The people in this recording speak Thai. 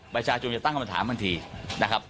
ไปช้าจนจะตั้งปัญหาบางทีนะครับ